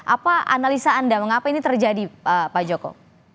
apa analisa anda mengapa ini terjadi pak joko